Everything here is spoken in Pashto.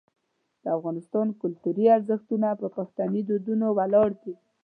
د افغانستان کلتوري ارزښتونه په پښتني دودونو ولاړ دي.